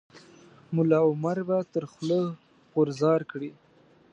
ملا عمر به تر خوله غورځار کړي.